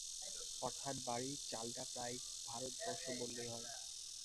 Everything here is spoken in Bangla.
অর্থাৎ, বাড়ির চালটা প্রায় ভারতবর্ষ বললেই হয়।